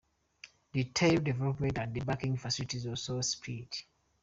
Retail development and banking facilities also spread.